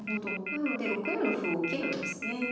なので６四の歩を受けるんですね。